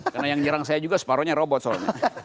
karena yang nyerang saya juga separohnya robot soalnya